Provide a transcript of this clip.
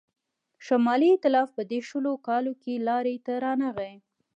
شمالي ایتلاف په دې شلو کالو کې لاري ته رانغی.